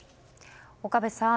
岡部さん